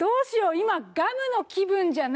今ガムの気分じゃない。